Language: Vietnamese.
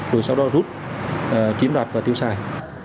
rồi sau đó rút chiếm đoạt và tiêu xài